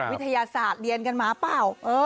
วิทยาศาสตร์เรียนกันมาเปล่า